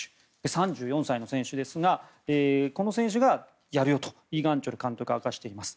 ３４歳の選手ですがこの選手がやるよとイ・ガンチョル監督が明かしています。